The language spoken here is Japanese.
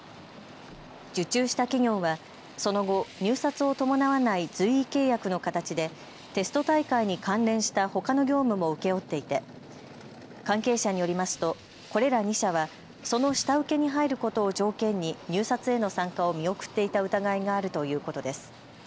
受注した企業はその後、入札を伴わない随意契約の形でテスト大会に関連したほかの業務も請け負っていて関係者によりますとこれら２社はその下請けに入ることを条件に入札への参加を見送っていた疑いがあるということです。